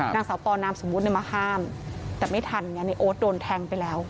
นางสาวปอนามสมมุติมาห้ามแต่ไม่ทันไงในโอ๊ตโดนแทงไปแล้ว